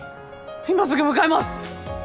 今すぐ向かいます！